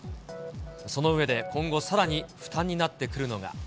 その上で今後さらに負担になってくるのが。